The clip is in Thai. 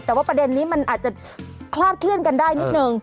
แต่ว่าประเด็นนี้มันอาจจะคลาดเคลื่อนกันได้นิดนึง